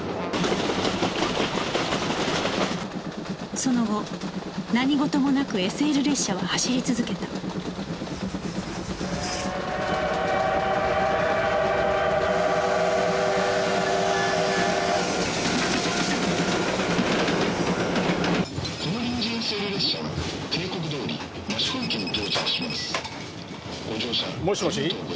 その後何事もなく ＳＬ 列車は走り続けたもしもし。